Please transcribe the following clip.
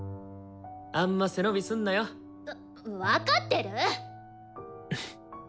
あんま背伸びすんなよ。わ分かってる！